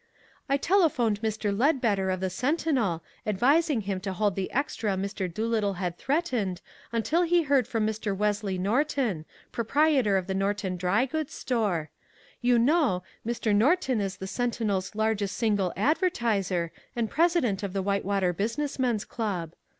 "I telephoned Mr. Ledbetter of the Sentinel advising him to hold the extra Mr. Doolittle had threatened until he heard from Mr. Wesley Norton, proprietor of the Norton Dry Goods Store. You know, Mr. Norton is the Sentinel's largest single advertiser and president of the Whitewater Business Men's Club.